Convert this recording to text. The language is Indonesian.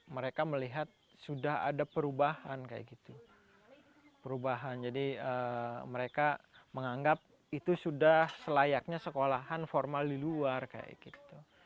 mereka melihat sudah ada perubahan kayak gitu perubahan jadi mereka menganggap itu sudah selayaknya sekolahan formal di luar kayak gitu